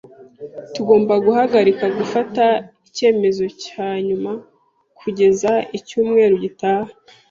[S] T Tugomba guhagarika gufata icyemezo cya nyuma kugeza icyumweru gitaha.